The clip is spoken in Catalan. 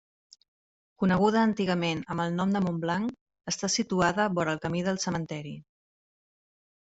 Coneguda antigament amb el nom de Montblanc està situada vora el camí del cementeri.